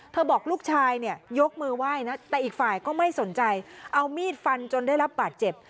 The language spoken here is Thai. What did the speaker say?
บอกลูกชายเนี่ยยกมือไหว้นะแต่อีกฝ่ายก็ไม่สนใจเอามีดฟันจนได้รับบาดเจ็บ